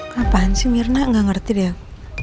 kapan sih mirna gak ngerti deh